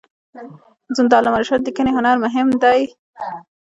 د علامه رشاد لیکنی هنر مهم دی ځکه چې فرهنګي اړیکې جوړوي.